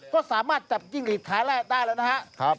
ก็สามารถจับจิ้งหลีดขาแรกได้แล้วนะครับ